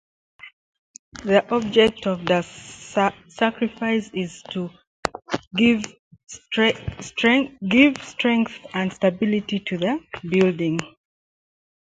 The object of the sacrifice is to give strength and stability to the building.